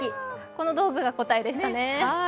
この道具が答えでしたね。